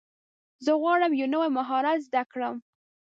زه غواړم یو نوی مهارت زده کړم.